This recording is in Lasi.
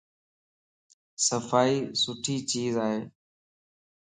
صفائي سٺي چيز ائي